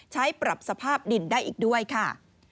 ใช้ปรับสภาพดินได้อีกด้วยค่ะ